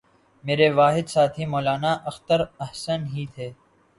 میرے واحد ساتھی مولانا اختر احسن ہی تھے